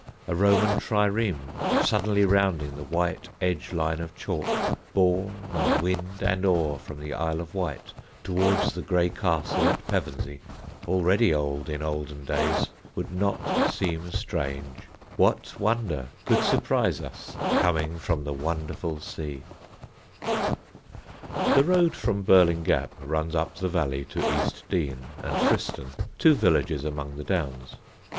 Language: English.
A Roman trireme suddenly rounding the white edge line of chalk, borne on wind and oar from the Isle of Wight towards the gray castle at Pevensey (already old in olden days), would not seem strange. What wonder could surprise us coming from the wonderful sea?" [Illustration: Beachy Head from the Shore.] [Sidenote: EAST DEAN] The road from Birling Gap runs up the valley to East Dean and Friston, two villages among the Downs.